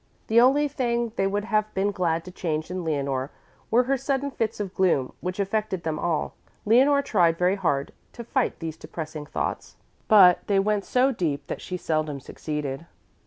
The only thing they would have been glad to change in Leonore were her sudden fits of gloom, which affected them all. Leonore tried very hard to fight these depressing thoughts, but they went so deep that she seldom succeeded.